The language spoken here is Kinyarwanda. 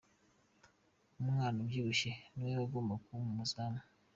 Umwana ubyibushye ni we wagomba kuba umuzamu.